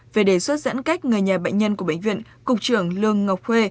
về đề xuất giãn cách người nhà bệnh nhân của bệnh viện cục trưởng lương ngọc huê